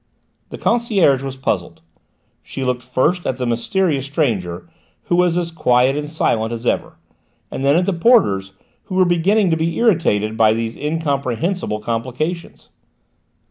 The concierge was puzzled. She looked first at the mysterious stranger, who was as quiet and silent as ever, and then at the porters, who were beginning to be irritated by these incomprehensible complications.